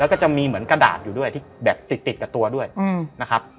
แล้วก็จะมีเหมือนกระดาษอยู่ด้วยที่แบบติดกับตัวด้วยนะครับ